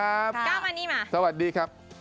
ก้าวมานี่มาสวัสดีครับ